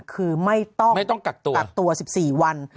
คือไม่ต้องกักตัว๑๔วัน